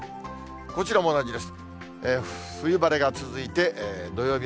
こちらも同じです。